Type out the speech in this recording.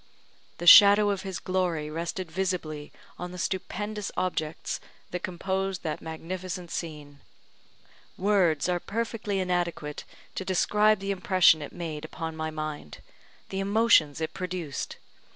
The shadow of His glory rested visibly on the stupendous objects that composed that magnificent scene; words are perfectly inadequate to describe the impression it made upon my mind the emotions it produced.